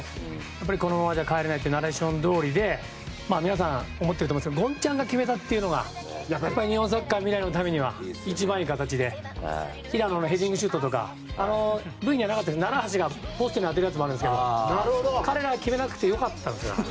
やっぱりこのままじゃ帰れないってナレーションどおりで皆さん思っていると思うんですがゴンちゃんが決めたというのがやっぱり日本サッカー未来のためには一番いい形で平野のヘディングシュートとかあのＶにはなかったですけど名良橋がポストに当てるやつもあるんですけど彼らは決めなくてよかったんですよ。